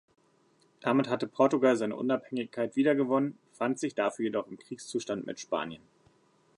Damit hatte Portugal seine Unabhängigkeit wiedergewonnen, befand sich dafür jedoch im Kriegszustand mit Spanien.